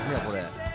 これ。